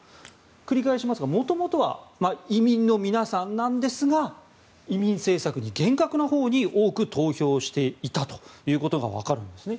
繰り返しますが、もともとは移民の皆さんなんですが移民政策に厳格なほうに多く投票していたことが分かるんですね。